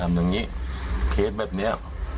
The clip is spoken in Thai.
อย่างนี้เคสแบบนี้